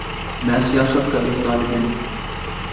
میں سیاست کا ایک طالب علم ہوں۔